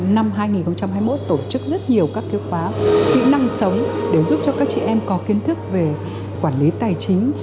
năm hai nghìn hai mươi một tổ chức rất nhiều các khóa kỹ năng sống để giúp cho các chị em có kiến thức về quản lý tài chính